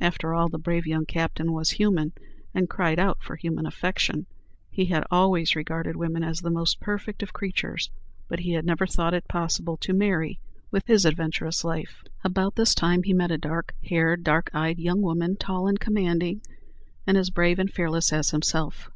After all, the brave young captain was human, and cried out for a human affection. He had "always regarded woman as the most perfect of creatures"; but he had never thought it possible to marry with his adventurous life. About this time he met a dark haired, dark eyed, young woman, tall and commanding, and as brave and fearless as himself.